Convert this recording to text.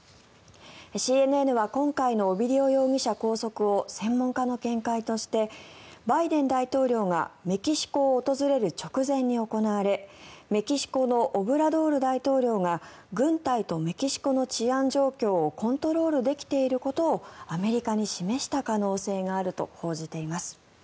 ＣＮＮは今回のオビディオ容疑者拘束を専門家の見解としてバイデン大統領がメキシコを訪れる直前に行われメキシコのオブラドール大統領が軍隊とメキシコの治安状況をコントロールできていることをアメリカに示した可能性があると報じています。